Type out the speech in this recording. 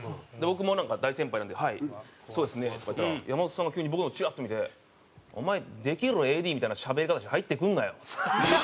僕も大先輩なんで「はいそうですね」とか言ったら山里さんが急に僕の方チラッと見て「お前できるＡＤみたいなしゃべり方して入ってくんなよ」。